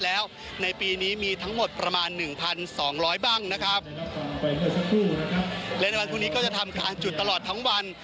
และในวันพรุ่งนี้ก็จะทำการจุดตลอดทั้งวัน